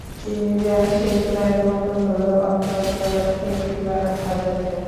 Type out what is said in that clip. তিনি যেন শেষবারের মত হলেও অন্তত একটিবার আযান দেন।